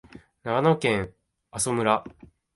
長野県阿智村